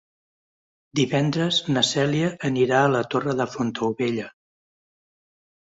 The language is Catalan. Divendres na Cèlia anirà a la Torre de Fontaubella.